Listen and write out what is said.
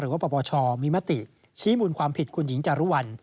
หรือว่าปบชมิมติชี้หมุนความผิดคุณหญิงจารุวัล